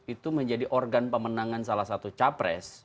itu menjadi organ pemenangan salah satu capres